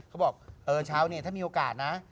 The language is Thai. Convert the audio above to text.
เขาบอกเออเช้าเนี่ยถ้ามีโอกาสนะ